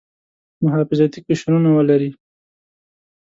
محافظتي قشرونه ولري.